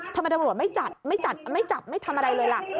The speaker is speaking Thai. ทำไมตำรวจไม่จัดไม่จัดไม่จับไม่ทำอะไรเลยล่ะ